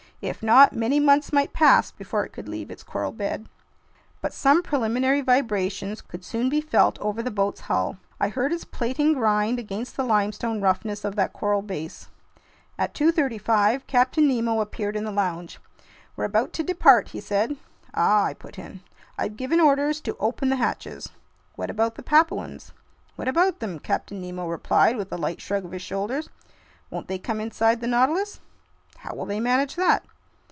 If not, many months might pass before it could leave its coral bed. But some preliminary vibrations could soon be felt over the boat's hull. I heard its plating grind against the limestone roughness of that coral base. At 2:35 Captain Nemo appeared in the lounge. "We're about to depart," he said. "Ah!" I put in. "I've given orders to open the hatches." "What about the Papuans?" "What about them?" Captain Nemo replied, with a light shrug of his shoulders. "Won't they come inside the Nautilus?" "How will they manage that?"